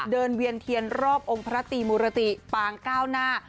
เวียนเทียนรอบองค์พระตีมุรติปางเก้าหน้า